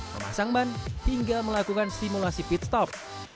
memasang ban hingga melakukan simulasi pitstop